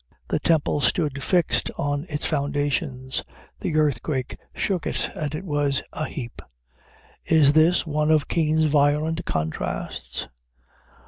The temple stood fixed on its foundations; the earthquake shook it, and it was a heap. Is this one of Kean's violent contrasts?